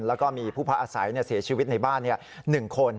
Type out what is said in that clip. แล้วก็มีผู้พักอาศัยเสียชีวิตในบ้าน๑คน